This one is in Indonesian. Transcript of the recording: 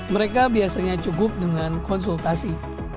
mereka biasanya cukup dengan konsultasi